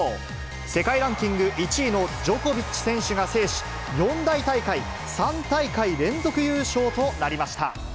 世界ランキング１位のジョコビッチ選手が制し、四大大会３大会連続優勝となりました。